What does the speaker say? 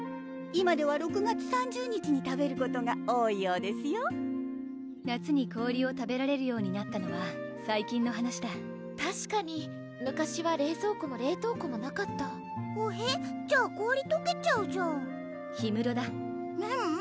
今では６月３０日に食べることが多いようですよ夏に氷を食べられるようになったのは最近の話だたしかに昔は冷蔵庫も冷凍庫もなかったほへ？じゃあ氷とけちゃうじゃん氷室だメン？